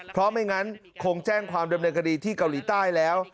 คงแจ้งความเดิมในกดีที่เกาหลีใต้แล้ว